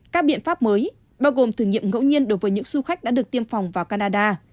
các biện pháp mới bao gồm thử nghiệm ngẫu nhiên đối với những du khách đã được tiêm phòng vào canada